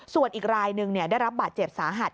ส่วนอีกรายหนึ่งได้รับบาดเจ็บสาหัส